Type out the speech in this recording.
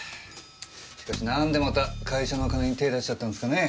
しかし何でまた会社の金に手出しちゃったんですかね？